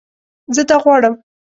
زه دا غواړم